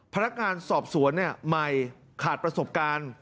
พนักงานสอบสวนใหม่ขาดประสบการณ์